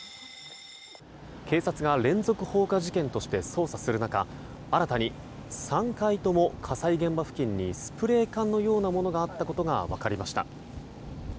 警察が連続放火事件として捜査する中新たに、３回とも火災現場付近にスプレー缶のようなものがあったことが分かりました。